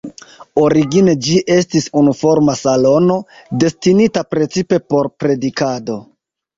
Origine ĝi estis unuforma salono, destinita precipe por predikado.